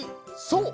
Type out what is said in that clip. そう！